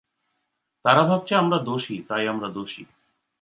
তারা ভাবছে আমরা দোষী, তাই আমরা দোষী।